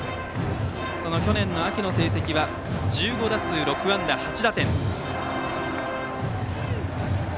その去年の秋の成績は１５打数６安打８打点。